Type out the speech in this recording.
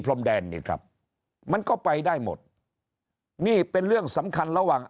พรมแดนนี่ครับมันก็ไปได้หมดนี่เป็นเรื่องสำคัญระหว่าง